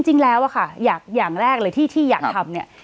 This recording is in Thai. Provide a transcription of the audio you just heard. จริงแล้วอะค่ะอย่างแรกเลยที่อยากทำเนี่ย